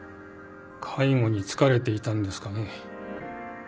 介護に疲れていたんですかね。